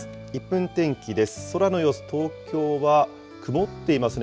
１分天気です。